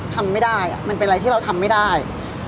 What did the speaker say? ทำไม่ได้มันเป็นอะไรที่เราทำไม่ได้